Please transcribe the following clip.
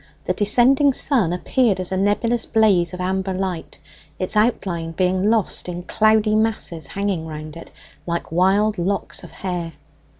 The descending sun appeared as a nebulous blaze of amber light, its outline being lost in cloudy masses hanging round it, like wild locks of hair.